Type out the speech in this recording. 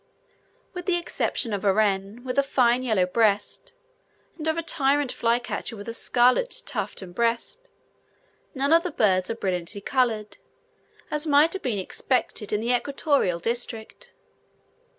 With the exception of a wren with a fine yellow breast, and of a tyrant flycatcher with a scarlet tuft and breast, none of the birds are brilliantly coloured, as might have been expected in an equatorial district.